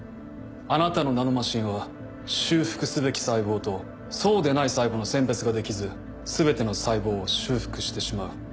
あなたのナノマシンは修復すべき細胞とそうでない細胞の選別ができず全ての細胞を修復してしまう。